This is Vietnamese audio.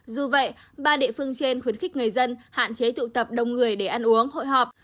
dù vậy ba địa phương trên khuyến khích người dân hạn chế tụ tập đông người để ăn uống hội họp